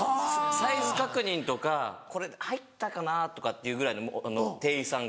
サイズ確認とかこれ入ったかな？とかっていうぐらいの店員さんが。